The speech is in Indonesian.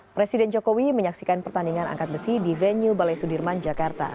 presiden jokowi menyaksikan pertandingan angkat besi di venue balai sudirman jakarta